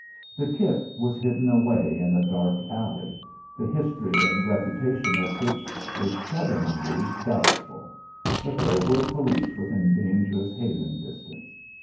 The kip was hidden away in a dark alley, the history and reputation of which were shudderingly doubtful, but there were police within dangerous hailing distance.